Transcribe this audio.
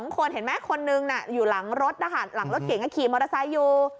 ๒คนเห็นที่หนึ่งอยู่หลังรถหลังรถเก่งก็ขี่มอเตอร์ไซส์อยู่